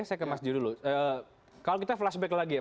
saya ke mas ji dulu kalau kita flashback lagi ya